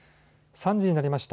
３時になりました。